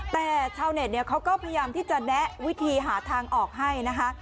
แต่ชาวเน็ตเขาก็พยายามที่จะแนะวิธีหาทางออกให้นะคะ